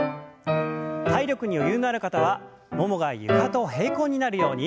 体力に余裕のある方はももが床と平行になるように。